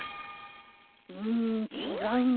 うんちがうな。